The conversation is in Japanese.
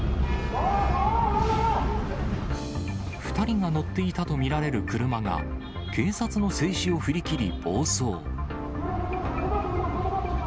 ２人が乗っていたと見られる車が、警察の制止を振り切り暴走。